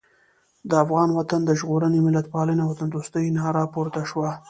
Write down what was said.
د افغان وطن د ژغورنې، ملتپالنې او وطندوستۍ ناره پورته شوه.